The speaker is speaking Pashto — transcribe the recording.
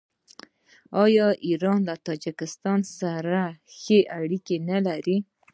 آیا ایران له تاجکستان سره ښې اړیکې نلري؟